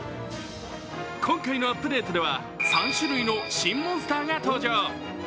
今回のアップデートでは、３種類の新モンスターが登場。